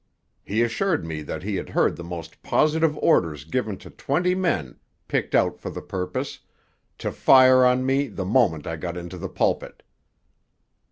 He assured me that he had heard the most positive orders given to twenty men picked out for the purpose, to fire on me the moment I got into the pulpit.'